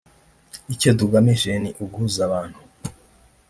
Icyo tugamije ni uguhuza abantu